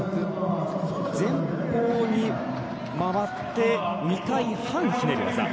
前方に回って２回半ひねり技。